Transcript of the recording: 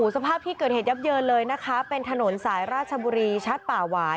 สภาพที่เกิดเหตุยับเยินเลยนะคะเป็นถนนสายราชบุรีชัดป่าหวาย